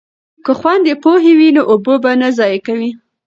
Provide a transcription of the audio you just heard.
که خویندې پوهې وي نو اوبه به نه ضایع کوي.